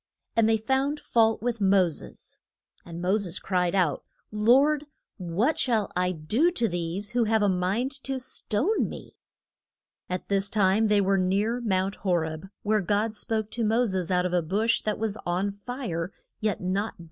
And they found fault with Mo ses. And Mo ses cried out, Lord, what shall I do to these, who have a mind to stone me? At this time they were near Mount Ho reb, where God spoke to Mo ses out of a bush that was on fire, yet not burnt.